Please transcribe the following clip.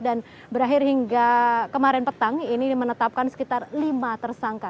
dan berakhir hingga kemarin petang ini menetapkan sekitar lima tersangka